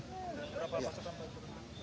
berapa pasukan yang turun